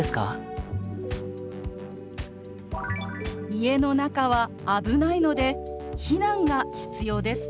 「家の中は危ないので避難が必要です」。